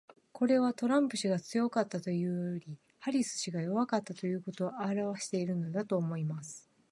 これは、トランプ氏が強かったというよりはハリス氏が弱かったということを表してるのだと思います。